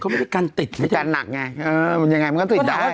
เขาไม่ได้กันติดมันกันหนักไงเออมันยังไงมันก็ติดได้